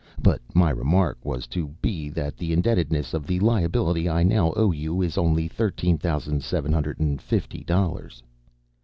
But my remark was to be that the indebtedness of the liability I now owe you is only thirteen thousand seven hundred and fifty dollars."